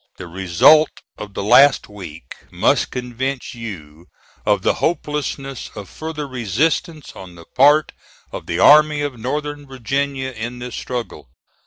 The result of the last week must convince you of the hopelessness of further resistance on the part of the Army of Northern Virginia in this struggle.